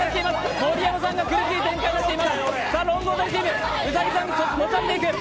盛山さんが苦しい展開となっています。